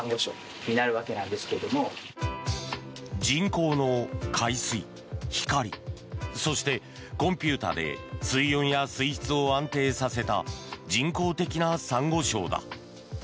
人工の海水、光そしてコンピューターで水温や水質を安定させた人工的なサンゴ礁だ。